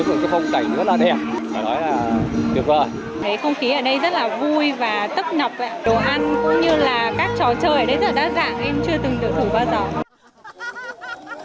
đồ ăn cũng như là các trò chơi ở đây rất là đa dạng em chưa từng tưởng thủ bao giờ